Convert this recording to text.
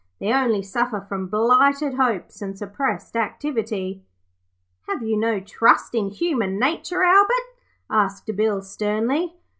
They only suffer from blighted hopes and suppressed activity.' 'Have you no trust in human nature, Albert?' asked Bill, sternly.